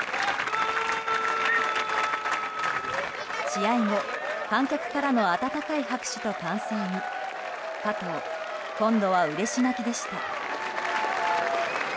試合後、観客からの温かい拍手と歓声に加藤、今度はうれし泣きでした。